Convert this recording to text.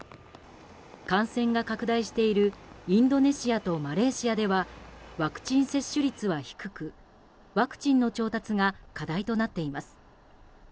感染が拡大しているインドネシアとマレーシアではワクチン接種率は低くワクチンの調達が課題となっています。